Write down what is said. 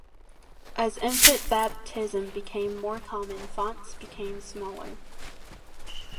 As infant baptism became more common, fonts became smaller.